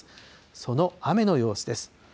その雨の様子です。